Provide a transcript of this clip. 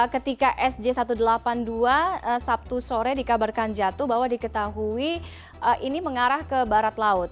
ketika sj satu ratus delapan puluh dua sabtu sore dikabarkan jatuh bahwa diketahui ini mengarah ke barat laut